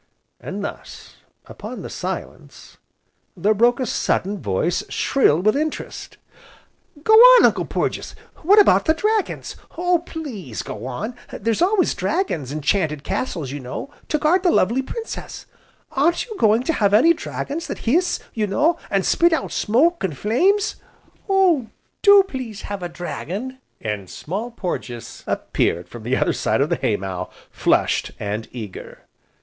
And thus, upon the silence there broke a sudden voice shrill with interest: "Go on, Uncle Porges, what about the dragons? Oh, please go on! there's always dragons in 'chanted castles, you know, to guard the lovely Princess, aren't you going to have any dragons that hiss, you know, an' spit out smoke, an' flames? Oh! do please have a dragon." And Small Porges appeared from the other side of the hay mow, flushed, and eager.